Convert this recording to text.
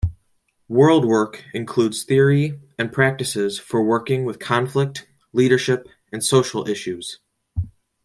Worldwork includes theory and practices for working with conflict, leadership and social issues.